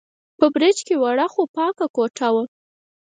په برج کې وړه، خو پاکه کوټه وه.